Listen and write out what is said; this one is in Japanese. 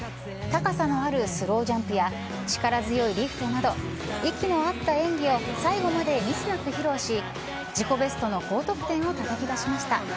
高さのあるスロージャンプや力強いリフトなど息の合った演技を最後までミスなく披露し自己ベストの高得点をたたき出しました。